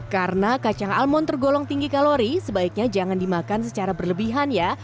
karena kacang almon tergolong tinggi kalori sebaiknya jangan dimakan secara berlebihan ya